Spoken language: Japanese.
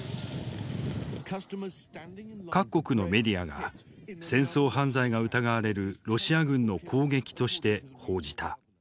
各国のメディアが戦争犯罪が疑われるロシア軍の攻撃として報じた。